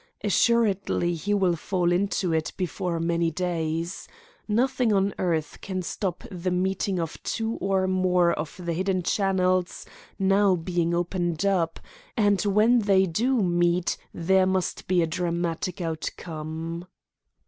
Assuredly he will fall into it before many days. Nothing on earth can stop the meeting of two or more of the hidden channels now being opened up, and when they do meet there must be a dramatic outcome."